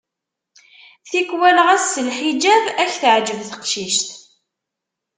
Tikwal ɣas s lḥiǧab ad k-teɛǧeb teqcict.